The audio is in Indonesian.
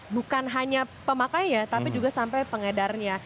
bukan hanya pemakai ya tapi juga sampai pengedarnya